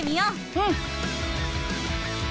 うん。